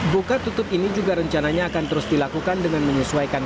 buka tutup ini juga rencananya akan terus dilakukan dengan menyesuaikan